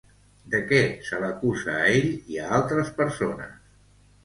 De què se l'acusa a ell i a altres persones?